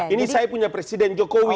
ini saya punya presiden jokowi